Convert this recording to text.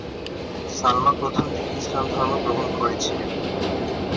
সালমা প্রথম দিকে ইসলাম ধর্ম গ্রহণ করেছিলেন।